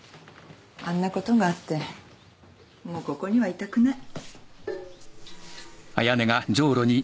あんなことがあってもうここにはいたくない。